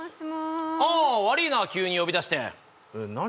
ああ悪いな急に呼び出して何？